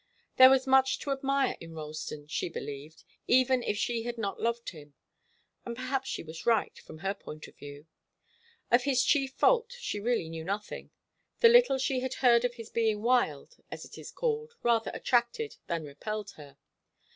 There was much to admire in Ralston, she believed, even if she had not loved him. And perhaps she was right, from her point of view. Of his chief fault she really knew nothing. The little she had heard of his being wild, as it is called, rather attracted than repelled her.